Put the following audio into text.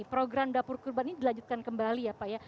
program dapur kurban ini dilanjutkan kembali ya pak ya